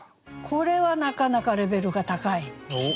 これはなかなかレベルが高い。